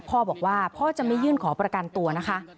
พ่อบอกว่าพ่อจะไม่ยื่นขอประกันตัวนะคะ